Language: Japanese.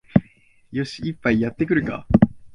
よし、一杯やってくるか